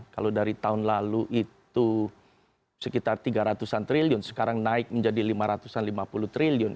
kalau dari tahun lalu itu sekitar tiga ratus an triliun sekarang naik menjadi lima ratus lima puluh triliun